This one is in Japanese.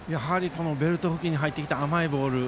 ベルト付近に入ってきた甘いボール。